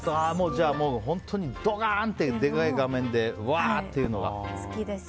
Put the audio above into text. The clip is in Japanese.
じゃあもう、本当にドカーンとでかい画面でうわー！っていうのが。